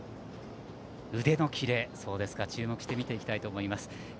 腕のキレに注目して見ていきたいと思います。